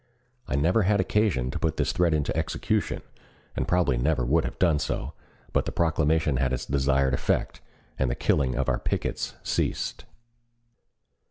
I never had occasion to put this threat into execution, and probably never would have done so, but the proclamation had its desired effect, and the killing of our pickets ceased.